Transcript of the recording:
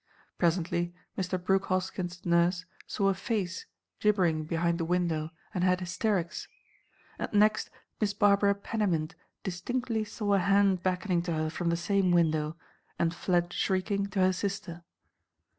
Presently Mr. Brooke Hoskyn's nurse saw a face gibbering behind the window, and had hysterics; and next Miss Barbara Pennymint distinctly saw a hand beckoning to her from the same window and fled, shrieking, to her sister.